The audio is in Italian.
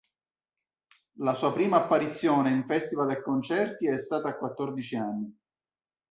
La sua prima apparizione in festival e concerti è stata a quattordici anni.